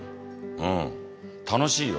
うん楽しいよ。